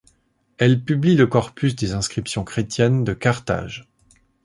Elle publie le corpus des inscriptions chrétiennes de Carthage.